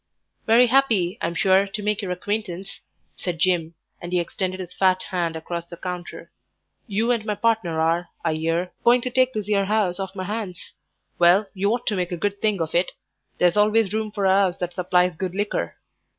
"Very 'appy, I'm sure, to make your acquaintance," said Jim, and he extended his fat hand across the counter. "You and my partner are, I 'ear, going to take this 'ere 'ouse off my hands. Well, you ought to make a good thing of it. There's always room for a 'ouse that supplies good liquor.